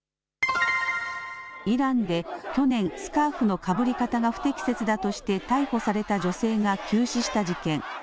イランで去年、スカーフのかぶり方が不適切だとして逮捕された女性が急死した事件。